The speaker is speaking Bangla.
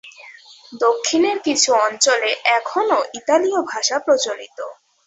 দক্ষিণের কিছু অঞ্চলে এখনও ইতালীয় ভাষা প্রচলিত।